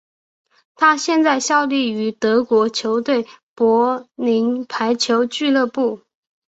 他现在效力于德国球队柏林排球俱乐部。